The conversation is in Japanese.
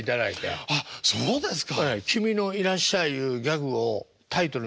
はあそうですか。